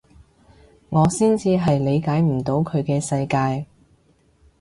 我先至係理解唔到佢嘅世界